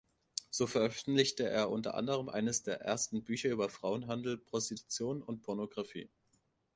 So veröffentlichte er unter anderem eines der ersten Bücher über Frauenhandel, Prostitution und Pornografie.